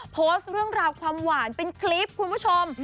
โพสต์เรื่องราวความหวานเป็นคลิปคุณผู้ชม